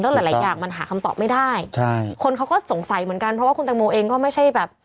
หลายหลายอย่างมันหาคำตอบไม่ได้ใช่คนเขาก็สงสัยเหมือนกันเพราะว่าคุณตังโมเองก็ไม่ใช่แบบ